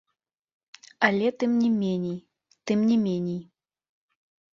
Але тым не меней, тым не меней.